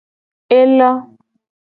E lo.